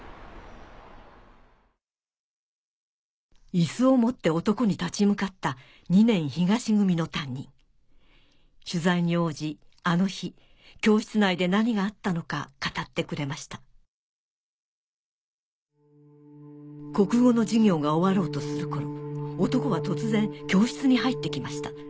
イスを持って男に立ち向かった２年東組の担任取材に応じあの日教室内で何があったのか語ってくれました「国語の授業が終わろうとする頃男は突然教室に入って来ました」